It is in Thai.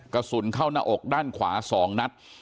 กระสุนเข้าหน้าอกด้านขวา๒นัด